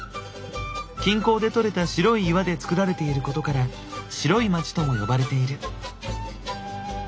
近郊でとれた白い岩でつくられていることから「白い町」とも呼ばれている。